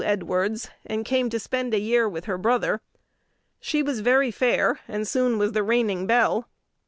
Edwards, and came to spend a year with her brother. She was very fair, and soon was the reigning belle.